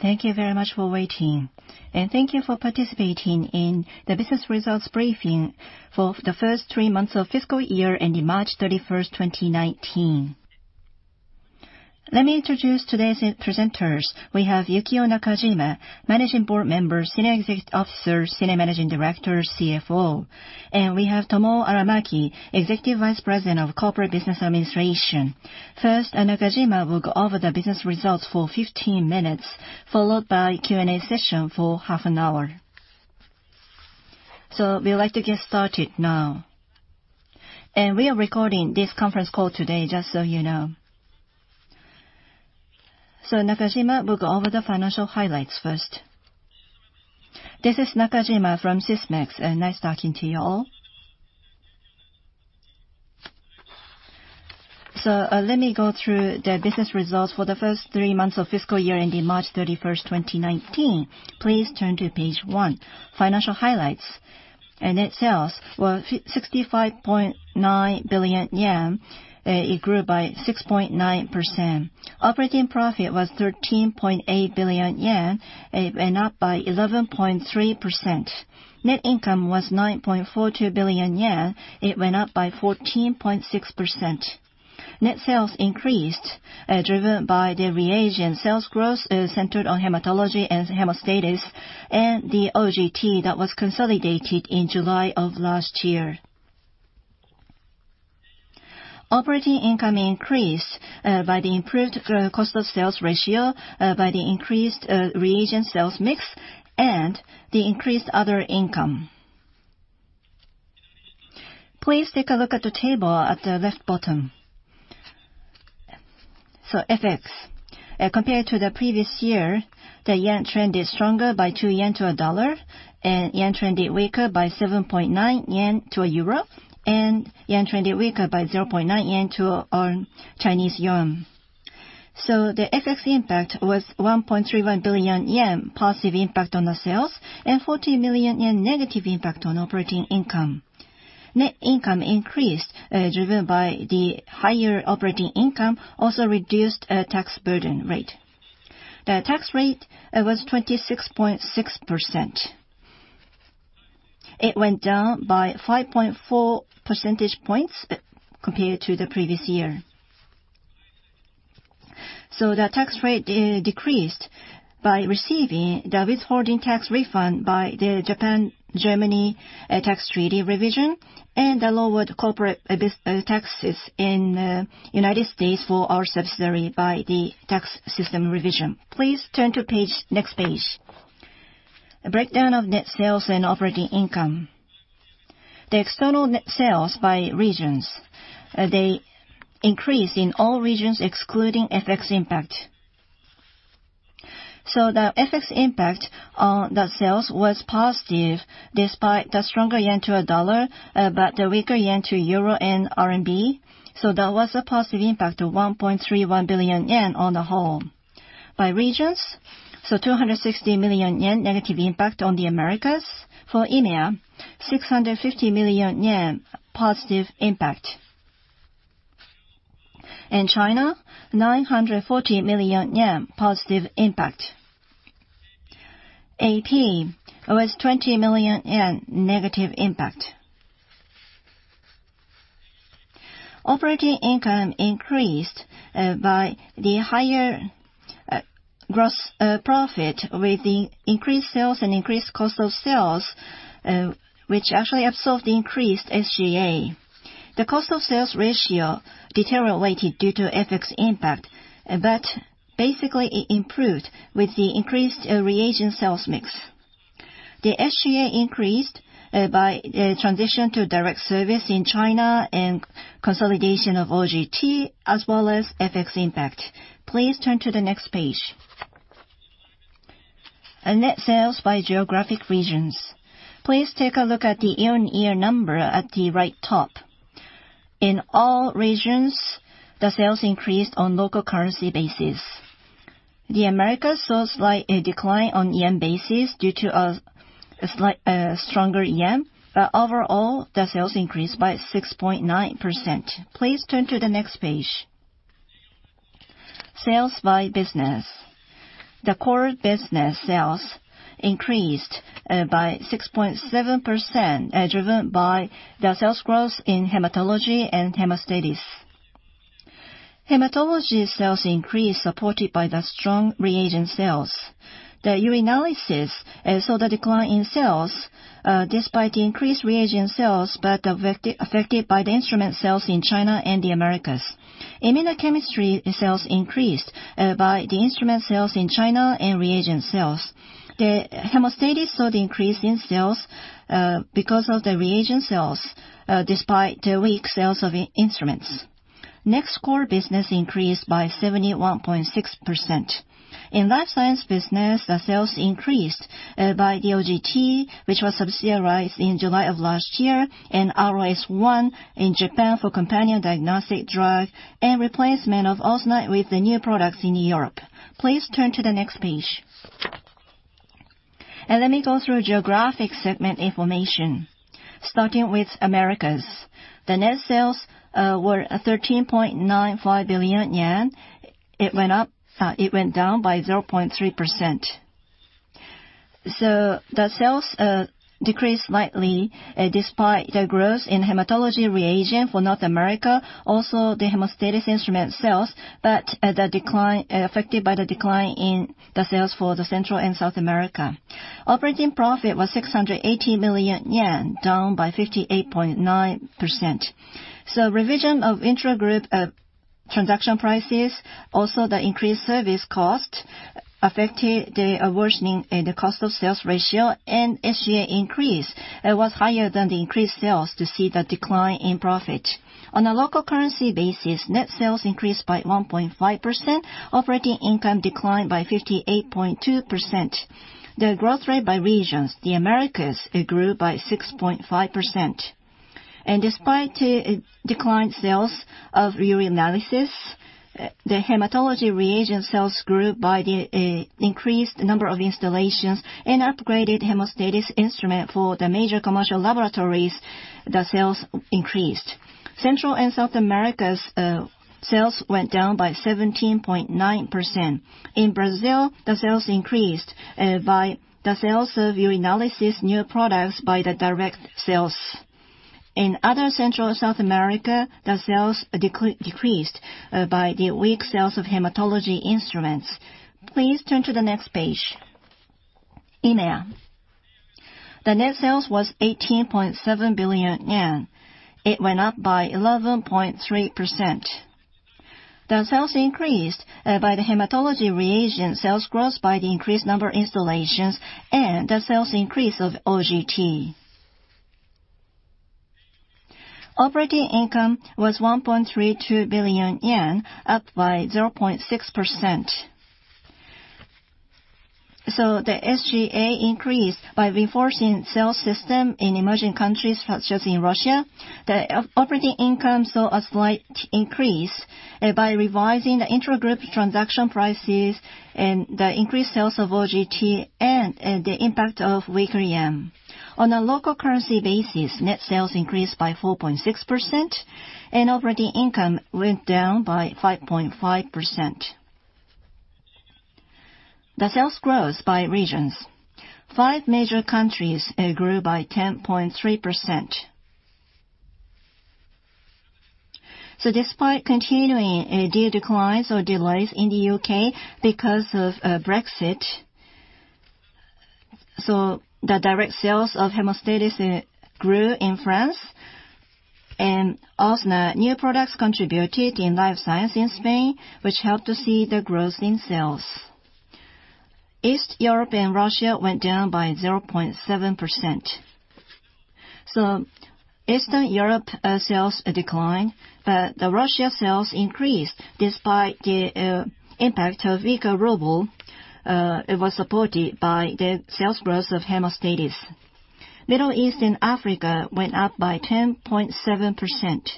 Thank you very much for waiting, thank you for participating in the business results briefing for the first three months of fiscal year ending March 31st, 2019. Let me introduce today's presenters. We have Yukio Nakajima, Managing Board Member, Senior Executive Officer, Senior Managing Director, CFO, and we have Tomo Aramaki, Executive Vice President of Corporate Business Administration. First, Nakajima will go over the business results for 15 minutes, followed by a Q&A session for half an hour. We'd like to get started now. We are recording this conference call today, just so you know. Nakajima will go over the financial highlights first. This is Nakajima from Sysmex, and nice talking to you all. Let me go through the business results for the first three months of fiscal year ending March 31st, 2019. Please turn to page one, financial highlights. Net sales were 65.9 billion yen. It grew by 6.9%. Operating profit was JPY 13.8 billion, it went up by 11.3%. Net income was JPY 9.42 billion, it went up by 14.6%. Net sales increased, driven by the reagent sales growth centered on hematology and hemostasis, and the OGT that was consolidated in July of last year. Operating income increased by the improved cost of sales ratio by the increased reagent sales mix and the increased other income. Please take a look at the table at the left bottom. FX. Compared to the previous year, the yen trend is stronger by 2 yen to a USD, yen trend is weaker by 7.9 yen to a EUR, yen trend is weaker by 0.9 yen to CNY. The FX impact was 1.31 billion yen positive impact on the sales, 40 million yen negative impact on operating income. Net income increased, driven by the higher operating income, also reduced tax burden rate. The tax rate was 26.6%. It went down by 5.4 percentage points compared to the previous year. The tax rate decreased by receiving the withholding tax refund by the Japan-Germany tax treaty revision and the lowered corporate taxes in the U.S. for our subsidiary by the tax system revision. Please turn to next page. Breakdown of net sales and operating income. The external net sales by regions, they increased in all regions excluding FX impact. The FX impact on the sales was positive despite the stronger yen to a USD, but the weaker yen to EUR and RMB. There was a positive impact of 1.31 billion yen on the whole. By regions, 260 million yen negative impact on the Americas. For EMEA, 650 million yen positive impact. In China, 940 million yen positive impact. AP was 20 million yen negative impact. Operating income increased by the higher gross profit with the increased sales and increased cost of sales, which actually absorbed the increased SG&A. The cost of sales ratio deteriorated due to FX impact, but basically it improved with the increased reagent sales mix. The SG&A increased by transition to direct service in China and consolidation of OGT as well as FX impact. Please turn to the next page. Net sales by geographic regions. Please take a look at the year-on-year number at the right top. In all regions, the sales increased on local currency basis. The Americas saw a slight decline on yen basis due to a stronger yen, but overall, the sales increased by 6.9%. Please turn to the next page. Sales by business. The core business sales increased by 6.7%, driven by the sales growth in hematology and hemostasis. Hematology sales increased, supported by the strong reagent sales. The urinalysis saw the decline in sales despite the increased reagent sales, but affected by the instrument sales in China and the Americas. Immunochemistry sales increased by the instrument sales in China and reagent sales. The hemostasis saw the increase in sales because of the reagent sales, despite the weak sales of instruments. Non-core business increased by 71.6%. In life science business, the sales increased by the OGT, which was subsidized in July of last year, and ROS1 in Japan for companion diagnostic drug and replacement of OSNA with the new products in Europe. Please turn to the next page. Let me go through geographic segment information. Starting with Americas. The net sales were 13.95 billion yen. It went down by 0.3%. The sales decreased slightly despite the growth in hematology reagent for North America, also the hemostasis instrument sales, but affected by the decline in the sales for the Central and South America. Operating profit was 680 million yen, down by 58.9%. Revision of intragroup transaction prices, also the increased service cost affected the worsening in the cost of sales ratio and SG&A increase. It was higher than the increased sales to see the decline in profit. On a local currency basis, net sales increased by 1.5%, operating income declined by 58.2%. The growth rate by regions, the Americas grew by 6.5%. Despite declined sales of urinalysis, the hematology reagent sales grew by the increased number of installations and upgraded hemostasis instrument for the major commercial laboratories, the sales increased. Central and South America's sales went down by 17.9%. In Brazil, the sales increased by the sales of urinalysis new products by the direct sales. In other Central and South America, the sales decreased by the weak sales of hematology instruments. Please turn to the next page. EMEA. The net sales was JPY 18.7 billion. It went up by 11.3%. The sales increased by the hematology reagent sales growth by the increased number of installations and the sales increase of OGT. Operating income was 1.32 billion yen, up by 0.6%. The SG&A increased by reinforcing sales system in emerging countries, such as in Russia. The operating income saw a slight increase by revising the intragroup transaction prices and the increased sales of OGT and the impact of weaker yen. On a local currency basis, net sales increased by 4.6% and operating income went down by 5.5%. The sales growth by regions. 5 major countries grew by 10.3%. Despite continuing deal declines or delays in the U.K. because of Brexit, so the direct sales of hemostasis grew in France, and also the new products contributed in life science in Spain, which helped to see the growth in sales. East Europe and Russia went down by 0.7%. Eastern Europe sales declined, but the Russia sales increased despite the impact of weaker ruble. It was supported by the sales growth of hemostasis. Middle East and Africa went up by 10.7%.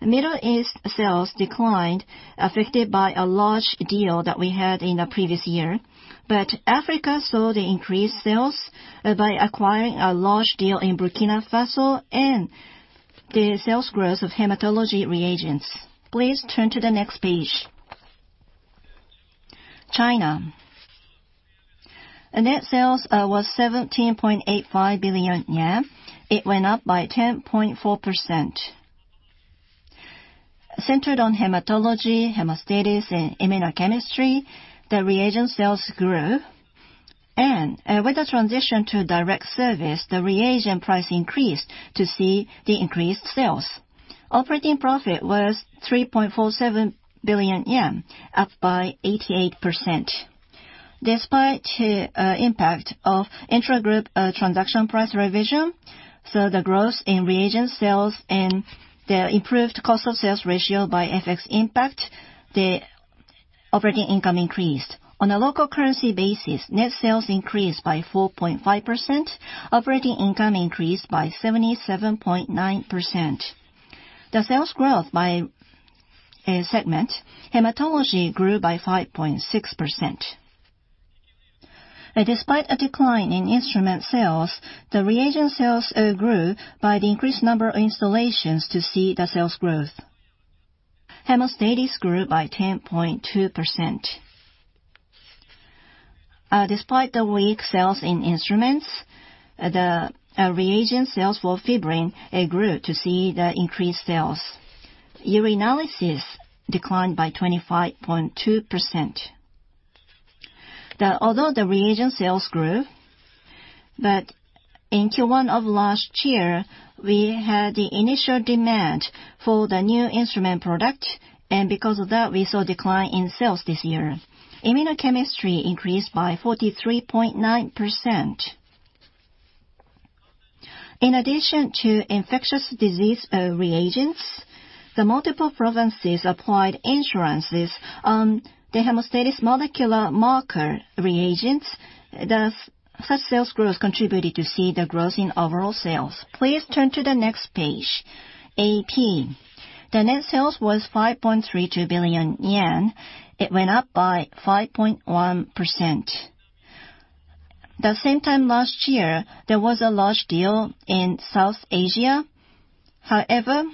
Middle East sales declined, affected by a large deal that we had in the previous year. Africa saw the increased sales by acquiring a large deal in Burkina Faso and the sales growth of hematology reagents. Please turn to the next page. China. The net sales was 17.85 billion yen. It went up by 10.4%. Centered on hematology, hemostasis and immunochemistry, the reagent sales grew. With the transition to direct service, the reagent price increased to see the increased sales. Operating profit was 3.47 billion yen, up by 88%. Despite impact of intragroup transaction price revision, the growth in reagent sales and the improved cost of sales ratio by FX impact, the operating income increased. On a local currency basis, net sales increased by 4.5%, operating income increased by 77.9%. The sales growth by segment, hematology grew by 5.6%. Despite a decline in instrument sales, the reagent sales grew by the increased number of installations to see the sales growth. Hemostasis grew by 10.2%. Despite the weak sales in instruments, the reagent sales for fibrin grew to see the increased sales. Urinalysis declined by 25.2%. Although the reagent sales grew, in Q1 of last year, we had the initial demand for the new instrument product, and because of that, we saw a decline in sales this year. Immunochemistry increased by 43.9%. In addition to infectious disease reagents, the multiple provinces applied insurances on the hemostasis molecular marker reagents. Such sales growth contributed to see the growth in overall sales. Please turn to the next page. AP. The net sales was 5.32 billion yen. It went up by 5.1%. The same time last year, there was a large deal in South Asia. However,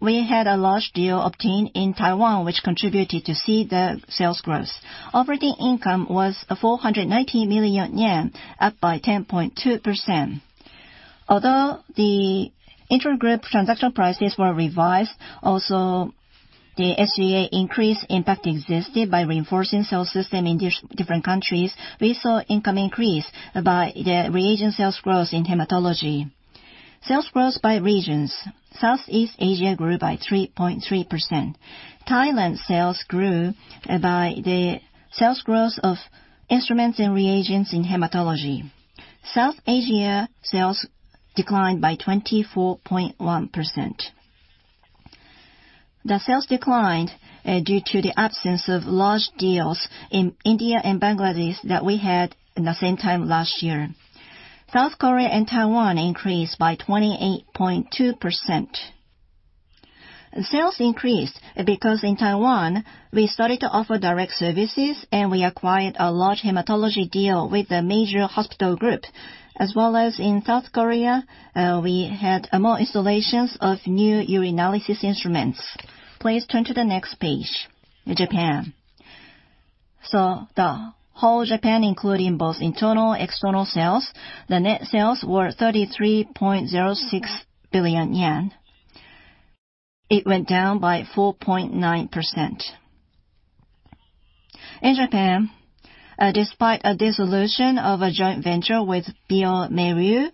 we had a large deal obtained in Taiwan, which contributed to see the sales growth. Operating income was 490 million yen, up by 10.2%. Although the intragroup transaction prices were revised, also the SG&A increase impact existed by reinforcing sales system in different countries. We saw income increase by the reagent sales growth in hematology. Sales growth by regions. Southeast Asia grew by 3.3%. Thailand sales grew by the sales growth of instruments and reagents in hematology. South Asia sales declined by 24.1%. The sales declined due to the absence of large deals in India and Bangladesh that we had in the same time last year. South Korea and Taiwan increased by 28.2%. Sales increased because in Taiwan, we started to offer direct services, and we acquired a large hematology deal with a major hospital group, as well as in South Korea, we had more installations of new urinalysis instruments. Please turn to the next page. Japan. The whole Japan, including both internal, external sales, the net sales were 33.06 billion yen. It went down by 4.9%. In Japan, despite a dissolution of a joint venture with bioMérieux,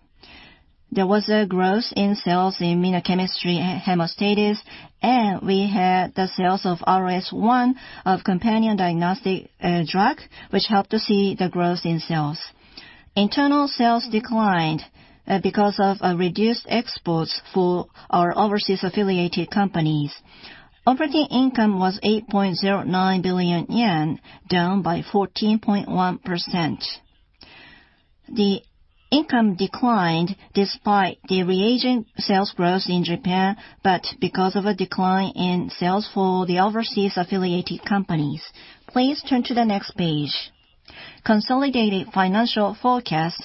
there was a growth in sales in immunochemistry hemostasis, and we had the sales of ROS1 of companion diagnostic drug, which helped to see the growth in sales. Internal sales declined because of reduced exports for our overseas affiliated companies. Operating income was 8.09 billion yen, down by 14.1%. The income declined despite the reagent sales growth in Japan, because of a decline in sales for the overseas affiliated companies. Please turn to the next page. Consolidated financial forecasts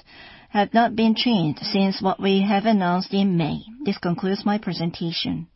have not been changed since what we have announced in May. This concludes my presentation.